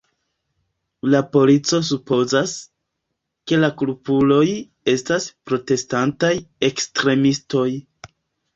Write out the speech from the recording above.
La polico supozas, ke la kulpuloj estas protestantaj ekstremistoj.